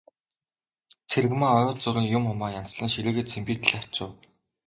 Цэрэгмаа ойр зуурын юм, хумаа янзлан ширээгээ цэмбийтэл арчив.